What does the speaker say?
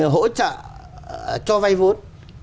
hỗ trợ cho vay vốn